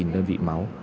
sáu mươi một đơn vị máu